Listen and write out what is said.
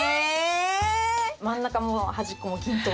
真ん中も端っこも均等に。